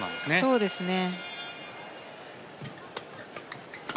そうですね。